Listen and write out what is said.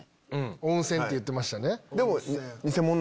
温泉って言ってましたね。